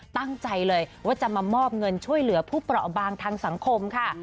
ตั้งใจเลยว่าจะมามอบเงินช่วยเหลือผู้เปราะบางทางสังคมค่ะ